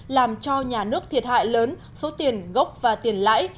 làm cho nhà nước thiệt hại lớn số tiền gốc và tiền lãi